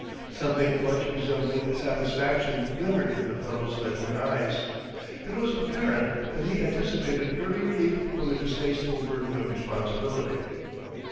Something much resembling satisfaction glimmered in the fellow's leaden eyes: it was apparent that he anticipated early relief from a distasteful burden of responsibility.